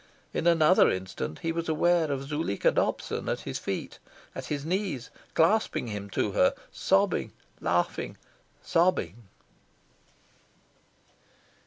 In another instant, he was aware of Zuleika Dobson at his feet, at his knees, clasping him to her, sobbing, laughing, sobbing.